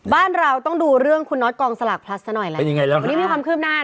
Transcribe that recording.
บ้านเราต้องดูเรื่องคุณนอทกองสลักพลัสสักหน่อยเลย